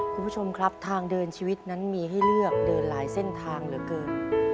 คุณผู้ชมครับทางเดินชีวิตนั้นมีให้เลือกเดินหลายเส้นทางเหลือเกิน